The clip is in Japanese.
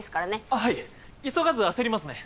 あはい急がず焦りますね